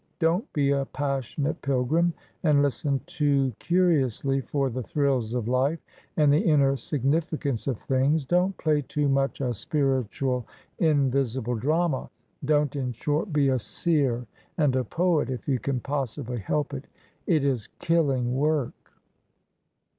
Don't be a Passionate Pilgrim and listen too curiously for the thrills of life and the inner significance of things. Don't play too much a spiritual, invisible drama. Don't, in short, be a seer and a poet if you can possibly help it. It is killing work